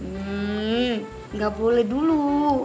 hmm enggak boleh dulu